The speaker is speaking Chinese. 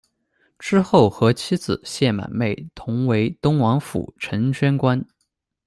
之后和妻子谢满妹同为东王府承宣官。